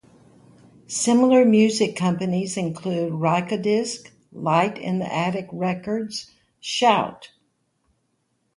Similar music companies include Rykodisc, Light in the Attic Records, Shout!